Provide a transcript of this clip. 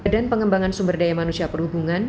dan pengembangan sumber daya manusia perhubungan